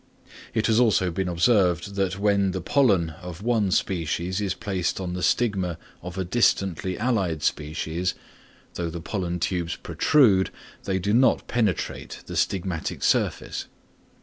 It has also been observed that when the pollen of one species is placed on the stigma of a distantly allied species, though the pollen tubes protrude, they do not penetrate the stigmatic surface.